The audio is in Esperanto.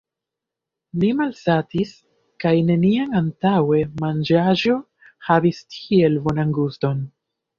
Ni malsatis kaj neniam antaŭe manĝaĵo havis tiel bonan guston.